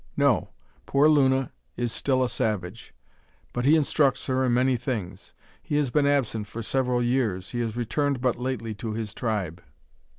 "No. Poor Luna is still a savage; but he instructs her in many things. He has been absent for several years. He has returned but lately to his tribe."